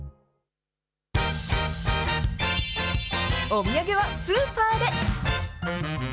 お土産はスーパーで！